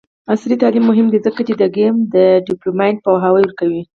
عصري تعلیم مهم دی ځکه چې د ګیم ډیولپمنټ پوهاوی ورکوي.